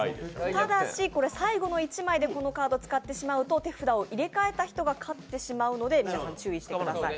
ただし、最後の１枚で、このカードを使ってしまうと手札を入れ替えた人が勝ってしまうので皆さん、注意してください。